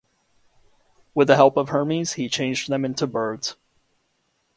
With the help of Hermes he changed them into birds.